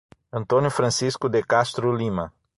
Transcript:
Antônio Francisco de Castro Lima